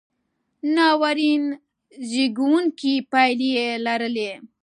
ناورین زېږوونکې پایلې یې لرلې.